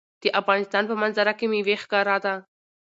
د افغانستان په منظره کې مېوې ښکاره ده.